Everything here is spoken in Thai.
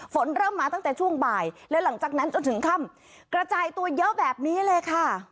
ฝนเริ่มมาตั้งแต่ช่วงบ่ายและหลังจากนั้นจนถึงค่ำกระจายตัวเยอะแบบนี้เลยค่ะ